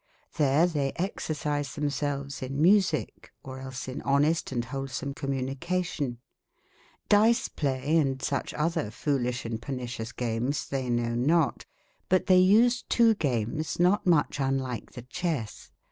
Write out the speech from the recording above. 'Chere they exercise themselves in mu 6iNe, orelsin honest andwholsome com/ munication« Dice/playe, and suche other folishe and pernicious games they Nnow not; but they use ij»gamesnot much un/ like the chesse.